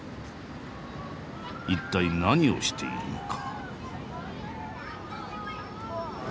一体何をしているのか？